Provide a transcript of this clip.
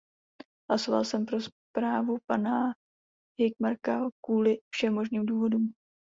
Hlasoval jsem pro zprávu pana Hökmarka kvůli všem možným důvodům.